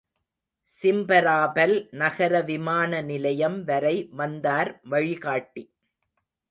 Simferopol நகர விமான நிலையம் வரை வந்தார் வழிகாட்டி.